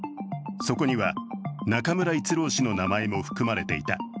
そこには中村逸郎氏の名前も含まれていた。